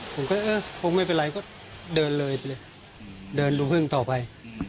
ผมก็เออคงไม่เป็นไรก็เดินเลยไปเลยเดินรูพึ่งต่อไป